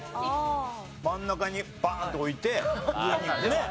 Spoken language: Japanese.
真ん中にバーンと置いて上にねえ？